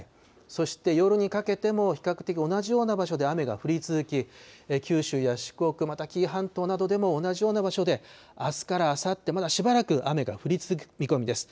そして夜にかけても、比較的同じような場所で雨が降り続き、九州や四国、また紀伊半島などでも、同じような場所であすからあさって、まだしばらく雨が降り続く見込みです。